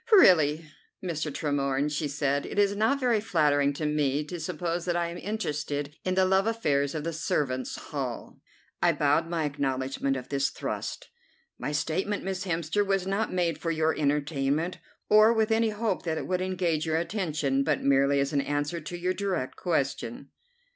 "Really, Mr. Tremorne," she said, "it is not very flattering to me to suppose that I am interested in the love affairs of the servants' hall." I bowed my acknowledgment of this thrust. "My statement, Miss Hemster, was not made for your entertainment, or with any hope that it would engage your attention, but merely as an answer to your direct question."